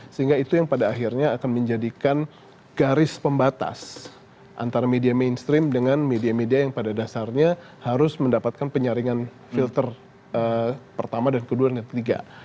sehingga itu yang pada akhirnya akan menjadikan garis pembatas antara media mainstream dengan media media yang pada dasarnya harus mendapatkan penyaringan filter pertama dan kedua dan yang ketiga